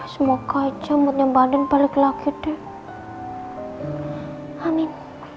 semoga aja mbak andin balik lagi deh amin